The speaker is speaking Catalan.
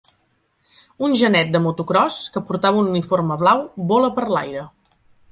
Un genet de motocròs que portava un uniforme blau vola per l'aire.